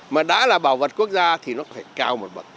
mà đã là bảo vật quốc gia thì nó phải cao một bậc